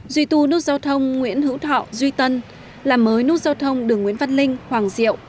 duy tu nút giao thông nguyễn hữu thọ duy tân làm mới nút giao thông đường nguyễn văn linh hoàng diệu